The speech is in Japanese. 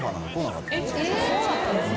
そうだったんですか。